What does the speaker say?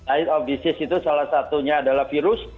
it of disease itu salah satunya adalah virus